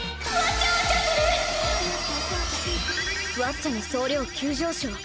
ワッチャの総量急上昇。